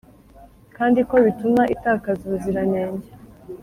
kandi ko bituma itakaza ubuziranenge.